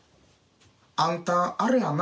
あんたあれやな